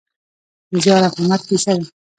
د زیار او همت کیسه ده.